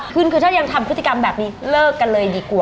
คือถ้ายังทำพฤติกรรมแบบนี้เลิกกันเลยดีกว่า